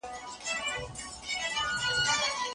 وتل په پټه ترسره شول.